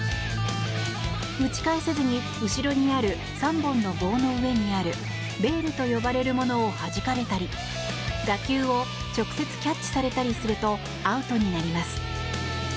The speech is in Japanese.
打ち返せずに後ろにある３本の棒の上にあるベールと呼ばれるものをはじかれたり打球を直接キャッチされたりするとアウトになります。